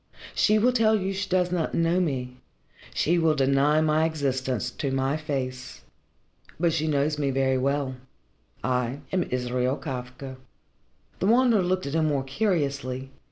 "She will tell you she does not know me she will deny my existence to my face. But she knows me very well. I am Israel Kafka." The Wanderer looked at him more curiously.